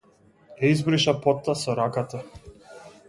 Ја избриша потта со раката.